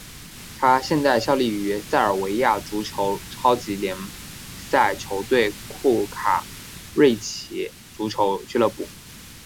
他现在效力于塞尔维亚足球超级联赛球队库卡瑞奇足球俱乐部。